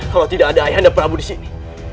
kalau tidak ada ayah dan prabu disini